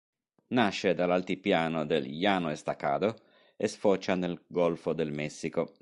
Nasce dall'altipiano del Llano Estacado e sfocia nel Golfo del Messico.